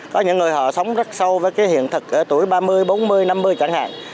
có những người họ sống rất sâu với hiện thực tuổi ba mươi bốn mươi năm mươi chẳng hạn